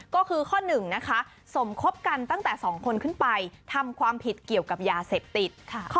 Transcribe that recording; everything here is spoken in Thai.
ก็คือข้อ๑นะคะสมคบกันตั้งแต่๒คนขึ้นไปทำความผิดเกี่ยวกับยาเสพติด